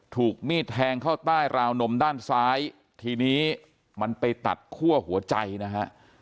ถูกมีดแทงเข้าใต้ราวนมด้านซ้ายทีนี้มันไปตัดคั่วหัวใจนะฮะ